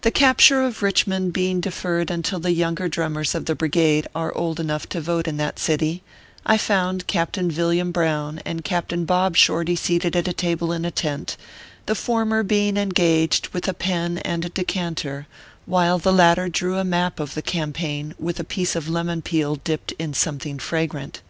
The capture of Kichmond being deferred until the younger drummers of the brigade are old enough to vote in that city, I found Captain Villiam Brown and Captain Bob Shorty seated at a table in a tent the former being engaged with a pen and a decanter, while the latter drew a map of the campaign with a piece of lemon peel dipped in something fragrant.